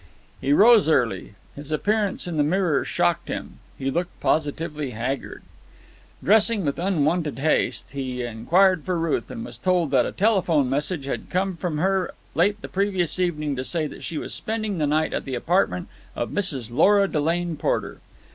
He rose early. His appearance in the mirror shocked him. He looked positively haggard. Dressing with unwonted haste, he inquired for Ruth, and was told that a telephone message had come from her late the previous evening to say that she was spending the night at the apartment of Mrs. Lora Delane Porter.